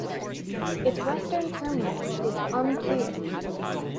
Its western terminus is unclear.